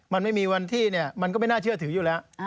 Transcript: มันไม่มีวันที่เนี่ยมันก็ไม่น่าเชื่อถืออยู่แล้ว